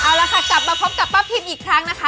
เอาละค่ะกลับมาพบกับป้าพิมอีกครั้งนะคะ